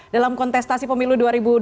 dalam kontestasi pemilu dua ribu dua puluh